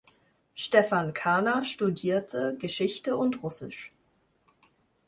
Stefan Karner studierte Geschichte und Russisch.